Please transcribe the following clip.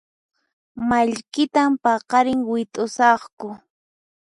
Mallkitan paqarin wit'usaqku